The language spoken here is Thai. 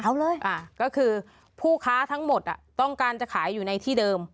เอาเลยก็คือผู้ค้าทั้งหมดอ่ะต้องการจะขายอยู่ในที่เดิม